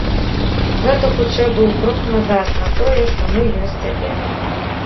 Гэта хутчэй быў крок назад на тое, што мы ёсць цяпер.